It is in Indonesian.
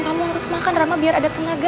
kamu harus makan rama biar ada tenaga